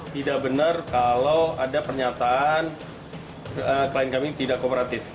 tidak benar kalau ada pernyataan klien kami tidak kooperatif